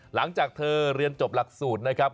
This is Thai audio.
หลังจากเธอเรียนจบหลักสูตรนะครับ